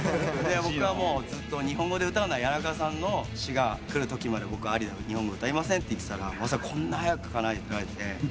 僕はずっと日本語で歌うのは谷中さんの詞がくるときまで僕はＡＬＩで日本語歌いませんって言ってたらまさかこんな早くかなえられて。